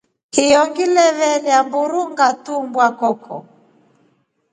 Hiyo ngile veelya mburu ngatumbwa koko.